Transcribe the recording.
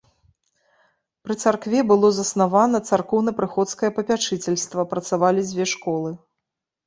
Пры царкве было заснавана царкоўна-прыходскае папячыцельства, працавалі дзве школы.